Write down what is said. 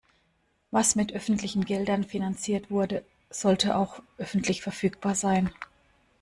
Was mit öffentlichen Geldern finanziert wurde, sollte auch öffentlich verfügbar sein.